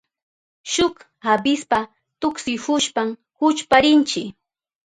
Shuk avispa tuksihushpan kuchparinchi.